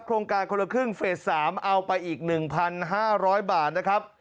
โครงการคนละครึ่งเฟส๓เอาไปอีก๑๕๐๐บาทนะครับ